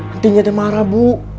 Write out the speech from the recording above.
entinnya teh marah bu